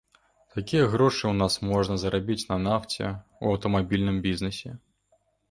Такія грошы ў нас можна зарабіць на нафце, у аўтамабільным бізнэсе.